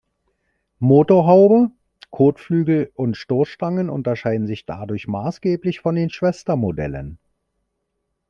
Motorhaube, Kotflügel und Stoßstangen unterscheiden sich dadurch maßgeblich von den Schwestermodellen.